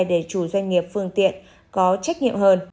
để chủ doanh nghiệp phương tiện có trách nhiệm hơn